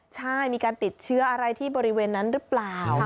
ใช่มีการติดเชื้ออะไรที่บริเวณนั้นหรือเปล่า